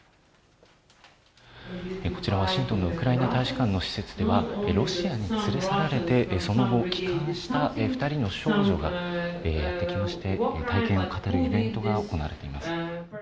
こちら、ワシントンのウクライナ大使館の施設では、ロシアによって連れ去られて、その後、帰還した２人の少女がやって来まして、体験を語るイベントが行われています。